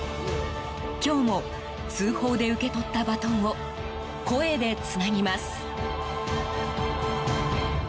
今日も通報で受け取ったバトンを声でつなぎます。